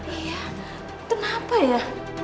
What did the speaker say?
iya itu kenapa ya